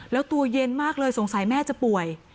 แล้วตัวเย็นมากเลยสงสัยแม่จะป่วย